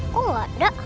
kok gak ada